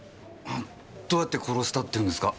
どうやって殺したって言うんですか？